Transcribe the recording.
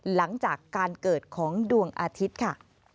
หลังจากการเกิดของดวงอาทิตย์ค่ะ